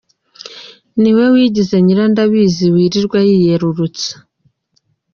Ni we wigize Nyirandabizi wilirwa yiyerurutsa